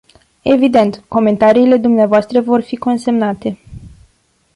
Evident, comentariile dumneavoastră vor fi consemnate.